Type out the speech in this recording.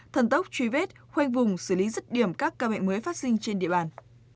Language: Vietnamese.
thần tốc truy vết khoanh vùng xử lý rứt điểm các ca bệnh mới phát sinh trên địa bàn